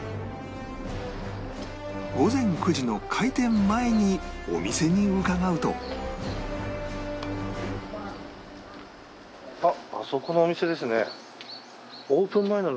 午前９時の開店前にお店に伺うとえすごっ！